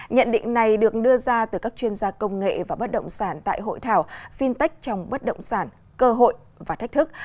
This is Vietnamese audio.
nhận định này được đưa ra từ các chuyên gia công nghệ và bất động sản tại hội thảo fintech trong bất động sản cơ hội và thách thức